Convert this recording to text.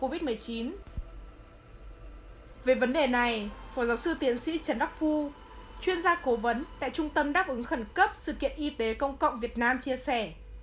về vấn đề này phó giáo sư tiến sĩ trần đắc phu chuyên gia cố vấn tại trung tâm đáp ứng khẩn cấp sự kiện y tế công cộng việt nam chia sẻ